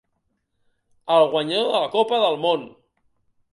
El guanyador de la copa del món.